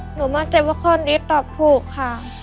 หนูมาเจ็บว่าคนดีต่อผู้ค่ะ